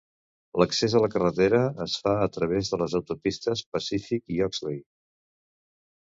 L'accés a la carretera es fa a través de les autopistes Pacific i Oxley.